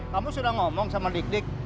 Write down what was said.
kamu sudah ngomong sama dik dik